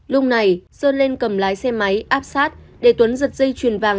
lúc này sơn lên cầm lái xe máy áp sát để tuấn giật dây chuyền vàng